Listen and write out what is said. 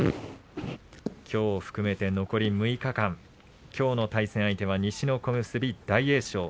きょうを含めて残り６日間きょうの対戦相手は西の小結大栄翔。